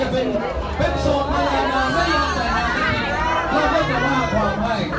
อย่างสุดอย่างสุดอย่างสุดอย่างสุด